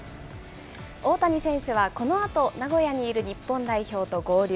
大谷選手はこのあと、名古屋にいる日本代表と合流。